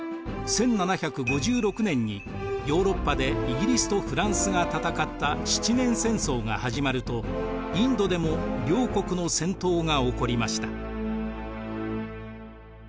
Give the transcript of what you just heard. １７５６年にヨーロッパでイギリスとフランスが戦った七年戦争が始まるとインドでも両国の戦闘が起こりました。